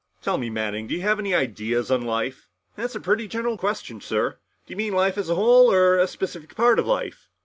"Tell me, Manning, do you have any ideas on life?" "That's a pretty general question, sir. Do you mean life as a whole or a specific part of life?"